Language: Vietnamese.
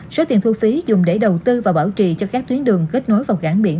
số tiền thu phí dùng để đầu tư và bảo trì cho các tuyến đường kết nối vào cảng biển